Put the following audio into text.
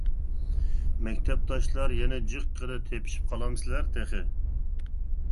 مەكتەپداشلار يەنە جىققىدە تېپىشىپ قالامسىلەر تېخى.